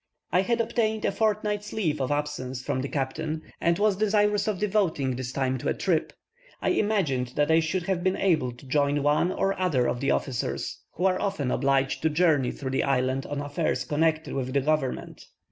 I had obtained a fortnight's leave of absence from the captain, and was desirous of devoting this time to a trip. I imagined that I should have been able to join one or other of the officers, who are often obliged to journey through the island on affairs connected with the government.